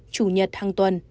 chủ nhật hàng tuần